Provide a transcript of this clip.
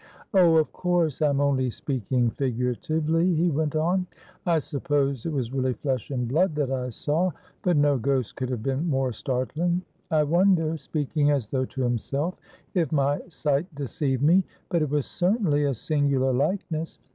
"Oh, of course, I am only speaking figuratively," he went on. "I suppose it was really flesh and blood that I saw; but no ghost could have been more startling. I wonder" speaking as though to himself "if my sight deceived me; but it was certainly a singular likeness.